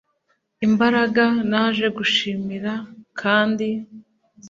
imbaraga, naje kugushimira, kandi